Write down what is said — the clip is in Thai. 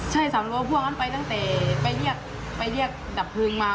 ใช่สำรวจพวกนั้นไปตั้งแต่ไปเรียกดับพื้งมา